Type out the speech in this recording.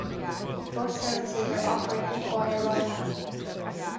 Bus services are operated by Arriva.